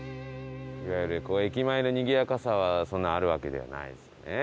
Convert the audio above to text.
いわゆる駅前のにぎやかさはそんなあるわけではないですね。